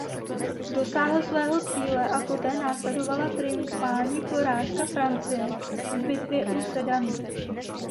Dosáhl svého cíle a poté následovala triumfální porážka Francie v bitvě u Sedanu.